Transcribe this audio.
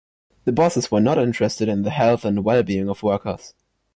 The bosses were not interested in the health and well-being of workers.